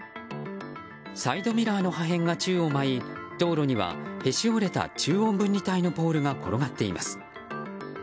サイドミラーの破片が宙を舞い道路にはへし折れた中央分離帯のポールが転がっています。